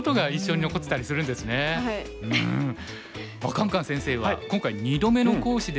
カンカン先生は今回２度目の講師ですが。